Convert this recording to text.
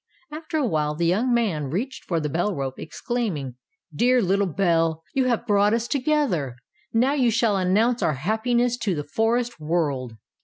After a while the young man reached for the bell rope, exclaiming, ''Dear little bell, you have brought us together. Now you shall announce our happiness to the forest world."